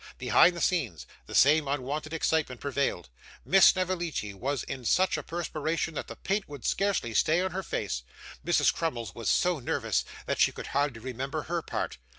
Behind the scenes, the same unwonted excitement prevailed. Miss Snevellicci was in such a perspiration that the paint would scarcely stay on her face. Mrs. Crummles was so nervous that she could hardly remember her part.